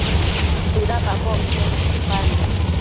bëdapambocquid nebi quepandac